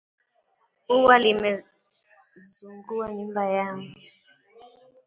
Ua limezungua nyumba yao